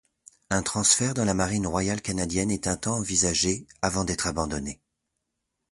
Un transfert dans la Marine royale canadienne est un temps envisagé, avant d'être abandonné.